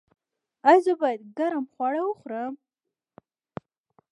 ایا زه باید ګرم خواړه وخورم؟